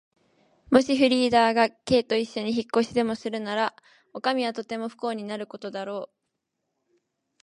もしフリーダが Ｋ といっしょに引っ越しでもするなら、おかみはとても不幸になることだろう。